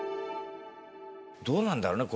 どうなんだろうね。